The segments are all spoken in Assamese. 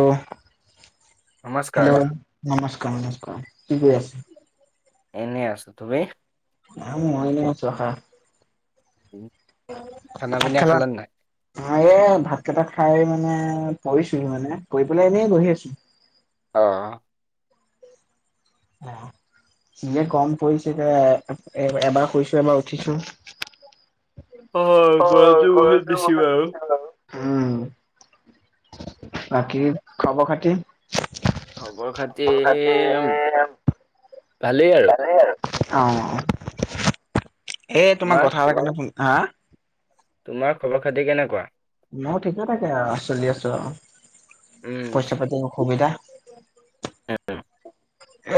হেল্ল'? নমস্কাৰ হেল্ল'? নমস্কাৰ-নমস্কাৰ, কি কৰি আছে? এনেই আছোঁ, তুমি? অ', মই এনে আছোঁ আহাঁ। উম। ভাত খালা? মই এ ভাত কেইটা খাই মানে পৰিছোহি মানে পৰি পেলাই এনেই বহি আছো। অ। অ, এনে গৰম পৰিছে যে এ এ এবাৰ শুইচো এবাৰ উঠিছো। অ হয় গৰমটো বহুত ঘৰতে বেছি বহি বাৰু। দিছিল আৰু। উম বাকী খবৰ খাতি? খবৰ খাতি ভালেই আৰু। ৰে আৰু অ। এ তোমাৰ কথা এটা কাৰণে ফোন হা? তোমাৰ খবৰ খাতি কেনেকোৱা? মই ঠিকে থাকে চলি আছো আৰু উম পইচা -পাতি অসুবিধা। সেইটো।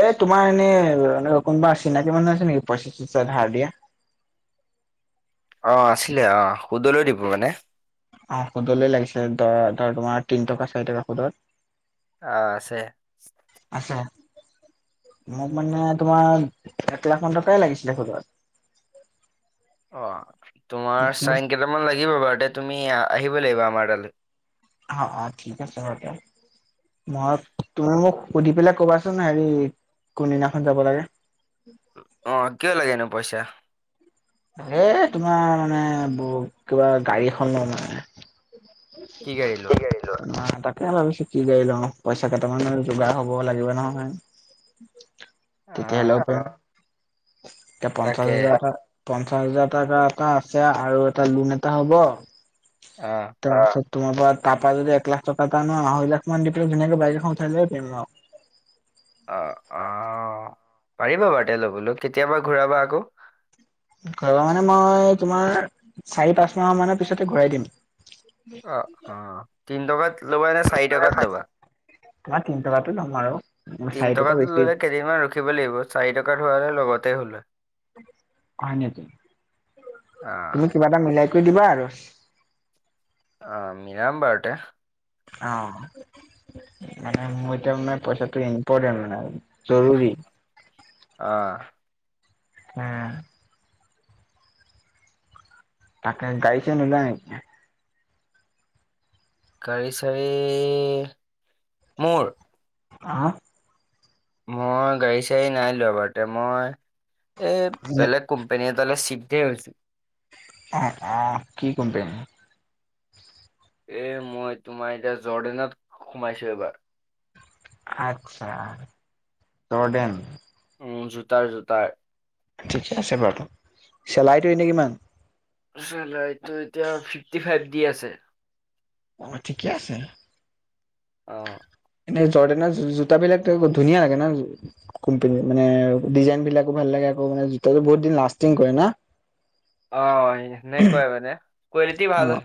এ তোমাৰ এনে কোনোবা চিনাকি মানুহ আছে নেকি পইছা - চইছা ধাৰ দিয়া? অ আছিলে অ সুদলৈ দিব মানে। অ সুদলৈ লাগিছে ধ ধৰ তোমাৰ তিন টকা চাৰি টকা সুদত অঁ আছে আছে মোক মানে তোমাৰ এক লাখ মান টকাই লাগিছিলে সুদত অ তোমাৰ তেওঁ চাইন কেইটামান লাগিব বাৰু তে তুমি আহিব লাগিব আমাৰ তালে অ অ ঠিক আছে বা তে মই তুমি মোক সুধি পেলাই কবাচোন হেৰি কোনদিনাখন যাব লাগে অ কিয় লাগেনো পইচা এ তোমাৰ মানে ব কিবা গাড়ী এখন লম মানে কি গাড়ী লোৱা কেতিয়াকে তাকে ভাবিছো কি গাড়ী লওঁ পইচা কেইটামানৰ যোগাৰ হব লাগিব নহয় কেতিয়া লব আহ পাও এতিয়া পঞ্চাশ তাকে হাজাৰ এটা পঞ্চাশ হাজাৰ টকা এটা আছে আৰু এটা লোন এটা হ'ব অ তাৰপিছত তোমাৰ পা তাৰ পা যদি এক লাখ টকা এটা আনো আঢ়ৈ লাখ মান দি পেলাই ধুনীয়াকে বাইক এখন উঠাই লৈ আহিব পাৰিম আও অঁ অঁ পাৰিবা বাৰু এতিয়া লবলৈ কেতিয়াবা ঘূৰাবা আকৌ ঘূৰাব মানে মই তোমাৰ চাৰি পাঁচ মাহৰ মানৰ পিছতে ঘূৰাই দিম অ অ তিন টকাত ল'বা নে চাৰি টকাত ল'বা তোমাৰ তিনি টকাটো লম আৰু তিন চাৰি টকা টকাত বেছি ল'লে কেইদিনমান ৰখিব লাগিব চাৰি টকাত হোৱা হ'লে লগতে হ'ল হয় হয় নিকি অ', তুমি কিবা এটা মিলাই কৰি দিবা আৰু অ মিলাম বাৰু তে অ মানে মোৰ এতিয়া মানে পইচাটো ইম্পৰ্টেণ্ট মানে জৰুৰী অঁ উম তাকে গাড়ী চাড়ী নোলোৱা নেকি গাড়ী চাড়ী মোৰ হা মই গাড়ী চাডী নাই লোৱা বাৰোতে মই এই বেলেগ কোম্পেনী এটালে চিফ্টহে হৈছে অ অ কি কোম্পেনী এ মই তোমাৰ এতিয়া জৰ্ডেনত সোমাইছো এইবাৰ আচ্ছা জৰ্ডেন উম জোতাৰ জোতাৰ ঠিকে আছে বাৰু চেলাইটো এনেই কিমান চেলাৰীটো এতিয়া ফিফটি ফাইভ দি আছে অ ঠিকে আছে অ এনে জৰ্দেনৰ জো জোতাবিলাক ত ধুনীয়া লাগে ন কোম্পেনী মানে ডিজাইন বিলাকো ভাল লাগে আকৌ মানে জোতাটো বহুত দিন লাষ্টিং কৰে না অ সেনেকুৱাই মানে কোৱালিটি অ ভাল হয়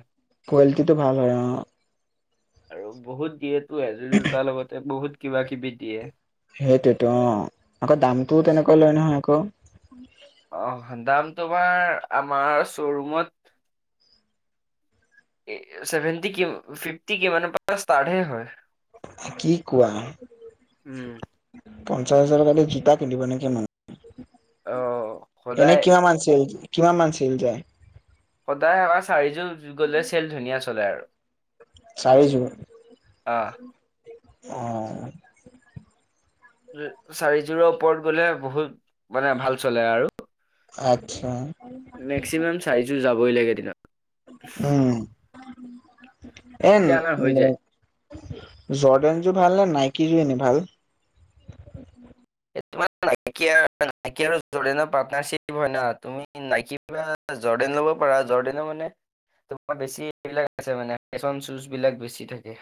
কোৱালিটিটো ভাল হয় অঁ আৰু বহুত দিয়েতো এযোৰ জোতাৰ লগতে বহুত কিবা কিবি দিয়ে সেইটোতো অ আকৌ দামটো তেনেকুৱা লয় নহয় আকৌ উম অ দাম তোমাৰ আমাৰ শ্বৰুমত চেভেনটি কিম ফিফটি কিমানৰ পা ষ্টাততে হয় কি কোৱা উম পঞ্চাশ হাজাৰৰ টকা দি জোতা কিনিব নে কি মানুহে অ এনে সদায় কিমান মান চেল কিমান মান চেল যায় সদায় এবাৰ চাৰিযোৰ গলে চেল ধুনীয়া চলে আৰু চাৰি যোৰ অহ অ চাৰিযোৰৰ ওপৰত গ'লে বহুত মানে ভাল চলে আৰু আচ্ছা মেক্সিমাম চাৰিযোৰ যাবই লাগে দিনত উম এন তেতিয়া আমাৰ হৈ যায়। জৰ্ডেন জোৰ ভাল নে নাইকি জোৰ এনেই ভাল তোমাৰ নাইকিয়া আৰু জুৰিনৰ পত্নাৰচিপ হয় ন তুমি নাইকি [unintelligible] জৰ্ডেন ল'ব পাৰা জৰ্ডেনৰ মানে তোমাৰ বেছি এইবিলাকছে মানে ফেশ্বন চোচ বিলাক বেছি থাকে